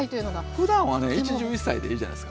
ふだんはね一汁一菜でいいじゃないですか。